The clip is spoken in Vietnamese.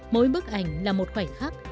mỗi bức ảnh là một khoảnh khắc